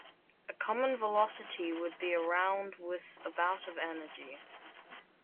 A common velocity would be around with about of energy.